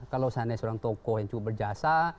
kalau seandainya seorang tokoh yang cukup berjasa